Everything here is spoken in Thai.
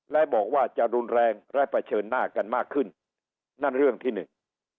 และบอกว่าจะรุนแรงและเผชิญหน้ากันมากขึ้นนั่นเรื่องที่หนึ่ง